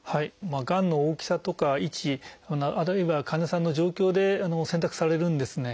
がんの大きさとか位置あるいは患者さんの状況で選択されるんですね。